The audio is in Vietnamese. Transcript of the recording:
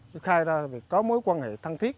chứ khai ra vì có mối quan hệ thân thiết